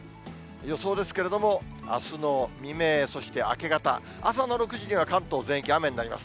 予想ですけれども、あすの未明、そして明け方、朝の６時には関東全域、雨になります。